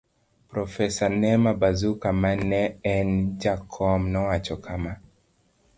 Profesa Nema Bazuka ma ne en jakom nowacho kama: